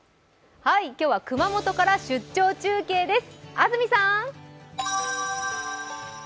今日は熊本から出張中継です。